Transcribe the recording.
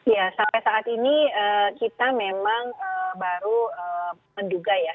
ya sampai saat ini kita memang baru menduga ya